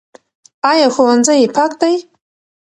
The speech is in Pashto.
ایا ښوونځی پاک دی؟